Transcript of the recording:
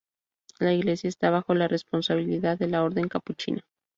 La iglesia esta bajo la responsabilidad de la Orden Capuchina.